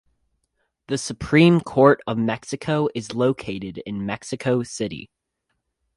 The Supreme Court of Mexico is located in Mexico City.